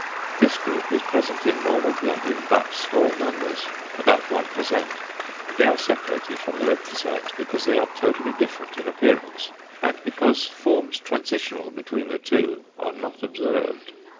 This group is present in normal blood in but small numbers (about 1%). They are separated from the lymphocytes because they are totally different in appearance, and because forms transitional between the two are not observed.